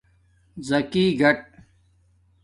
زَکی گاٹ